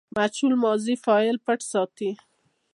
مجهول ماضي فاعل پټ ساتي.